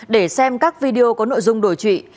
để xem các video có nội dung đồ trụy